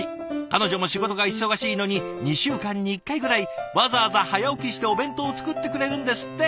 彼女も仕事が忙しいのに２週間に１回ぐらいわざわざ早起きしてお弁当を作ってくれるんですって。